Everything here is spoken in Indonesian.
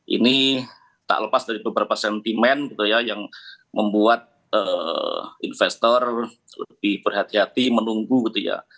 ini tak lepas dari beberapa sentimen gitu ya yang membuat investor lebih berhati hati menunggu gitu ya